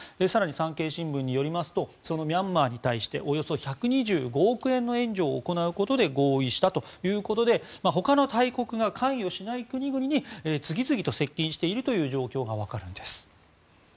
更に産経新聞によりますとそのミャンマーに対しておよそ１２５億円の援助を行うことで合意したということで他の大国が関与しない国々に次々と接近しているという状況が分かるんです。